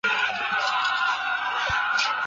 隆东十五暝是一种印尼土生华人传统料理。